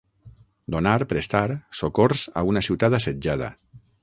Donar, prestar, socors a una ciutat assetjada.